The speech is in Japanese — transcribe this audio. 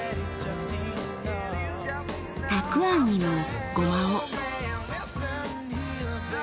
たくあんにもゴマを。